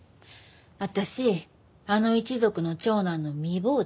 私あの一族の長男の未亡人。